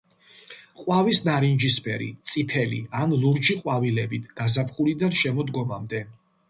ყვავის ნარინჯისფერი, წითელი ან ლურჯი ყვავილებით გაზაფხულიდან შემოდგომამდე.